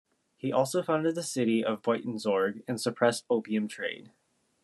He also founded the city of Buitenzorg and suppressed opium trade.